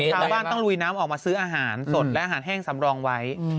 ชาวบ้านต้องลุยน้ำออกมาซื้ออาหารสดและอาหารแห้งสำรองไว้